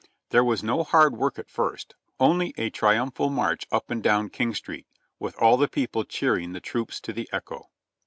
There was no hard work at first, only a triumphal march up and down King Street, with all the people cheering the troops to the echo.